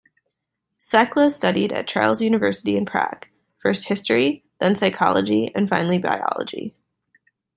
Sekla studied at Charles University in Prague, first history, then psychology and finally biology.